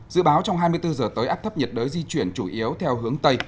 dự báo trong hai mươi bốn giờ tới áp thấp nhiệt đới di chuyển chủ yếu theo hướng tây